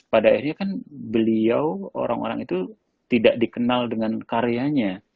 pada akhirnya kan beliau orang orang itu tidak dikenal dengan karyanya